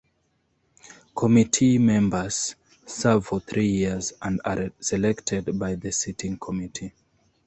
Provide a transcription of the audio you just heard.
Committee members serve for three years and are selected by the sitting committee.